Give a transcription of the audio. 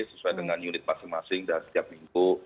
sesuai dengan unit masing masing dan setiap minggu